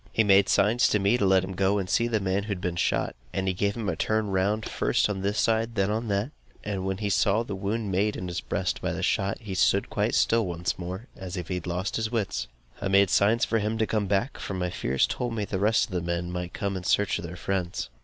He made signs to me to let him go and see the man who had been shot; and he gave him a turn round, first on this side, then on that; and when he saw the wound made in his breast by the shot, he stood quite, still once more, as if he had lost his wits. I made signs for him to come back, for my fears told me that the rest of the men might come in search of their friends.